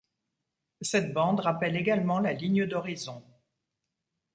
Cette bande rappelle également la ligne d'horizon.